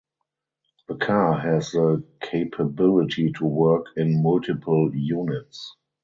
The car has the capability to work in multiple units.